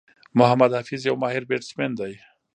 محمد حفيظ یو ماهر بيټسمېن دئ.